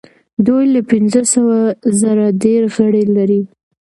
دوی له پنځه سوه زره ډیر غړي لري.